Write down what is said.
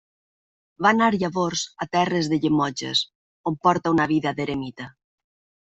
Va anar llavors a terres de Llemotges, on porta una vida d'eremita.